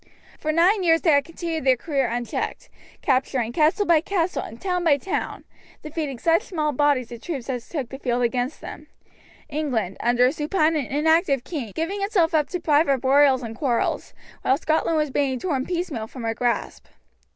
For nine years they had continued their career unchecked, capturing castle by castle and town by town, defeating such small bodies of troops as took the field against them, England, under a supine and inactive king, giving itself up to private broils and quarrels, while Scotland was being torn piecemeal from her grasp.